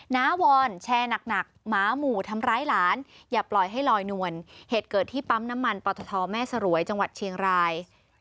น้าวอนแชร์หนักหมาหมู่ทำร้ายหลานอย่าปล่อยให้ลอยนวลเหตุเกิดที่ปั๊มน้ำมันปตทแม่สรวยจังหวัดเชียงราย